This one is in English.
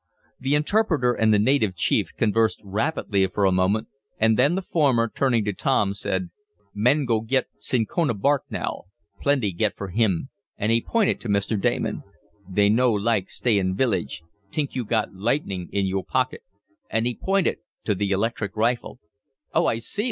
The interpreter and the native chief conversed rapidly for a moment and then the former, turning to Tom, said: "Men go git cinchona bark now. Plenty get for him," and he pointed to Mr. Damon. "They no like stay in village. T'ink yo' got lightning in yo' pocket," and he pointed to the electric rifle. "Oh, I see!"